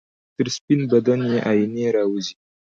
تر سپین بدن یې آئینې راوځي